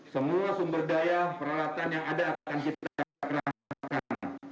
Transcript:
semua sumber daya peralatan yang ada akan kita rasakan